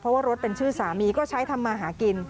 เพราะว่ารถเป็นชื่อสามีก็ใช้ทำมาหากิน